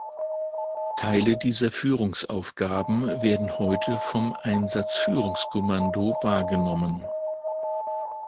Teile dieser Führungsaufgaben werden heute vom Einsatzführungskommando wahrgenommen.